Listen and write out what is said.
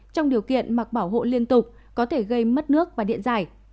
trong điều kiện mặc bảo hộ liên tục có thể gây mất nước và điện giải